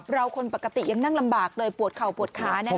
คนปกติยังนั่งลำบากเลยปวดเข่าปวดขาแน่